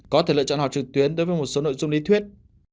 có thể lựa chọn họp trực tuyến đối với một số nội dung lý thuyết